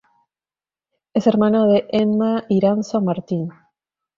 Es hermano de Enma Iranzo Martín.